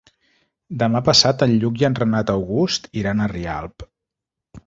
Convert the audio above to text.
Demà passat en Lluc i en Renat August iran a Rialp.